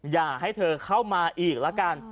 อย่าให้เธอเข้ามาอีกละกัน